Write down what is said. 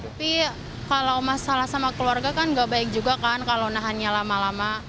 tapi kalau masalah sama keluarga kan gak baik juga kan kalau nahannya lama lama